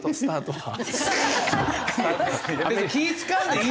はい。